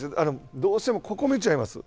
どうしてもここ見ちゃいます。